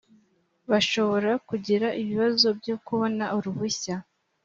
bashobora kugira ibibazo byo kubona uruhushya